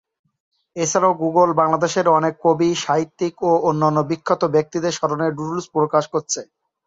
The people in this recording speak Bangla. এছাড়াও গুগল বাংলাদেশের অনেক কবি, সাহিত্যিক ও অন্যান্য বিখ্যাত ব্যক্তিদের স্মরণে ডুডল প্রকাশ করেছে।